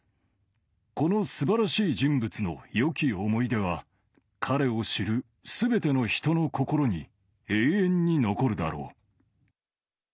このすばらしい人物のよき思い出は、彼を知るすべての人の心に永遠に残るだろう。